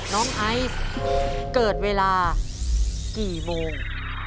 น้องไอซ์เกิดเวลากี่โมง